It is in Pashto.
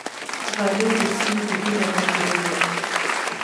غالۍ د سیمې دودونه انځوروي.